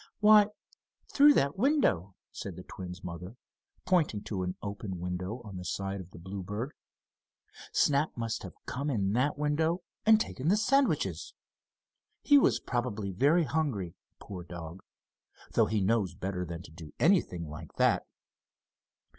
"Why, through that window," said the twins' mother, pointing to an open window on the side of the Bluebird. "Snap must have come in that window, and taken the sandwiches. He was probably very hungry, poor dog, though he knows better than to do anything like that."